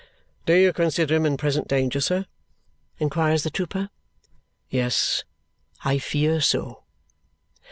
"Do you consider him in present danger, sir?" inquires the trooper. "Yes, I fear so."